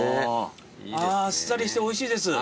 あっさりしておいしいです。